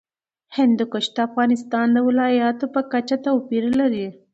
هندوکش د افغانستان د ولایاتو په کچه توپیر لري.